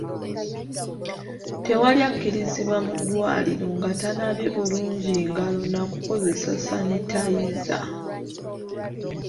Tewali akkirizibwa mu ddwaliro nga tanaabye bulungi ngalo na kukozesa sanitayiza.